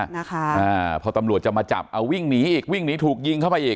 นะคะอ่าพอตำรวจจะมาจับเอาวิ่งหนีอีกวิ่งหนีถูกยิงเข้าไปอีก